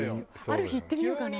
ある日言ってみようかな。